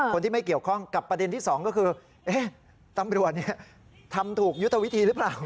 คนที่ไม่เกี่ยวข้องกับประเด็นที่๒ก็คือตำรวจทำถูกยุทธวิธีหรือเปล่า